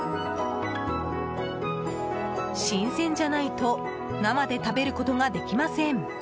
新鮮じゃないと生で食べることができません。